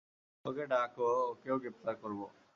ওকে ডাক, ওকেও গ্রেপ্তার করব।